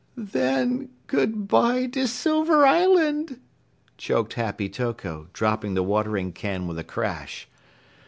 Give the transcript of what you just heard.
"Then, goodbye to Silver Island!" choked Happy Toko, dropping the watering can with a crash.